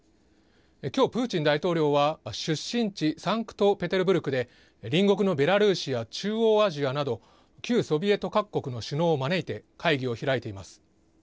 今日、プーチン大統領は出身地サンクトペテルブルクで隣国のベラルーシや中央アジアなど旧ソビエト各国の首脳を招いて会議を開いています。